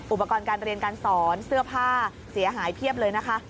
อุปกรณ์การเรียนการสอนเสื้อผ้าเสียหายเพียบเลยนะคะ